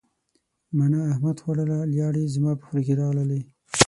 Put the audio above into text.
مڼه احمد خوړله لیاړې زما په خوله کې راغللې.